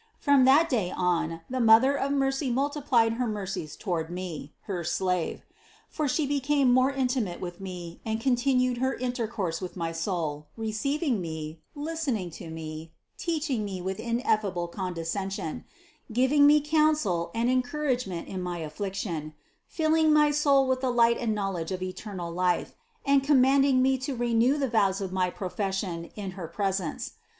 From that day on the Mother of mercy multiplied her mercies toward me, her slave; for She became more intimate with me and con tinued her intercourse with my soul, receiving me, listen ing to me, teaching me with ineffable condescension, giv ing me counsel and encouragement in my affliction, filling my soul with the light and knowledge of eternal life and commanding me to renew the vows of my profession in her presence.